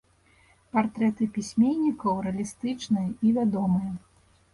Партрэты пісьменнікаў рэалістычныя і вядомыя.